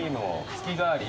月替わり？